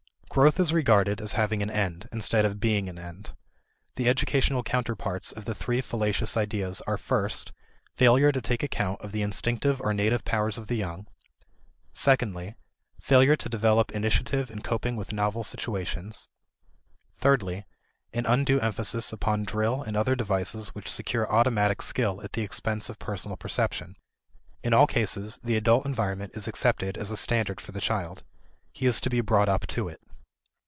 Growth is regarded as having an end, instead of being an end. The educational counterparts of the three fallacious ideas are first, failure to take account of the instinctive or native powers of the young; secondly, failure to develop initiative in coping with novel situations; thirdly, an undue emphasis upon drill and other devices which secure automatic skill at the expense of personal perception. In all cases, the adult environment is accepted as a standard for the child. He is to be brought up to it.